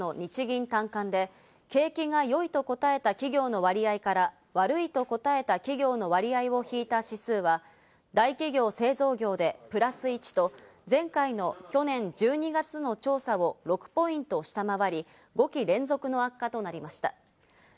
企業の景況感などを調査する３月の日銀短観で景気が良いと答えた企業の割合から悪いと答えた企業の割合を引いた指数は、大企業・製造業でプラス１と前回の去年１２月の調査を６ポイント下回り、５期連続の悪化となりました。